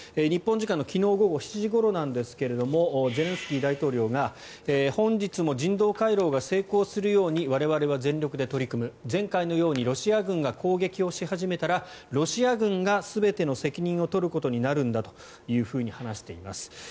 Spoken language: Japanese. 日本時間の昨日午後７時ごろなんですがゼレンスキー大統領が本日も人道回廊が成功するように我々は全力で取り組む前回のようにロシア軍が攻撃をし始めたらロシア軍が全ての責任を取ることになるんだと話しています。